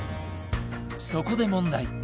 そこで問題